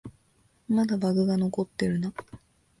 まだバグが残ってるな